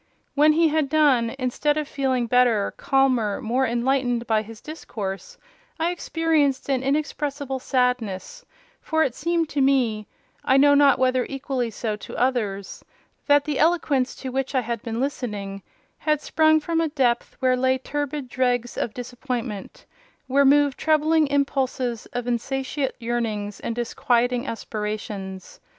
When he had done, instead of feeling better, calmer, more enlightened by his discourse, I experienced an inexpressible sadness; for it seemed to me—I know not whether equally so to others—that the eloquence to which I had been listening had sprung from a depth where lay turbid dregs of disappointment—where moved troubling impulses of insatiate yearnings and disquieting aspirations.